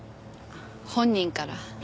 本人から。